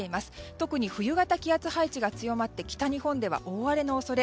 特に冬型気圧配置が強まって北日本では大荒れの恐れ。